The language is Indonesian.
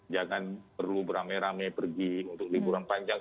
jangan perlu beramai ramai pergi untuk liburan panjang